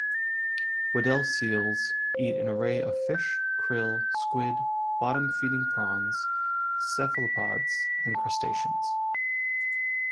Weddell seals eat an array of fish, krill, squid, bottom-feeding prawns, cephalopods and crustaceans.